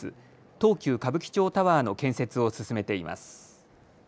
東急歌舞伎町タワーの建設を進めています。